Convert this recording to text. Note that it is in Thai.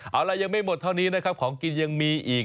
เอาล่ะยังไม่หมดเท่านี้นะครับของกินยังมีอีก